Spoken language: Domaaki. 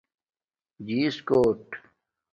جیس کوٹ